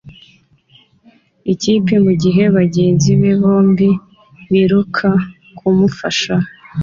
kipe mugihe bagenzi be bombi biruka kumufasha.